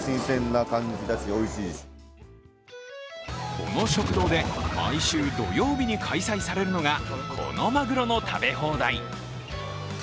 この食堂で毎週土曜日に開催されるのがこのマグロの食べ放題。